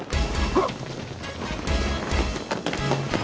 あっ⁉